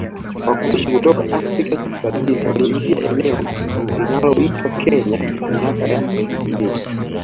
Wakushi kutoka Afrika kaskazini waliingia eneo linaloitwa Kenya miaka ya elfu mbili